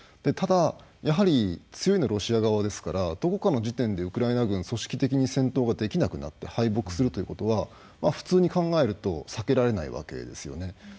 ただ、やはり強いのはロシア側ですからどこかの時点でウクライナ軍組織的に戦闘ができなくなって敗北するということは普通に考えると避けられないわけですよね。